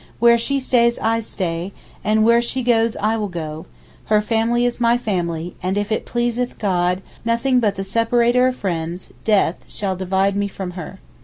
where she stays I stay, and where she goes I will go; her family is my family, and if it pleaseth God, nothing but the Separator of friends (death) shall divide me from her.